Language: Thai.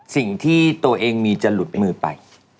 สิ่งที่ตัวเองมีจะหลุดมือไป